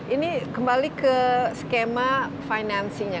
ini kembali ke skema finansinya